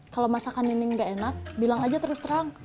kalau masakan nining gak enak bilang aja terus terang